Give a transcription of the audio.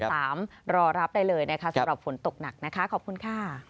รอรับได้เลยนะคะสำหรับฝนตกหนักนะคะขอบคุณค่ะ